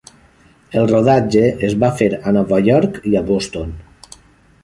El rodatge es va fer a Nova York i a Boston.